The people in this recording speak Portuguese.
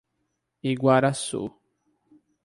Iguaraçu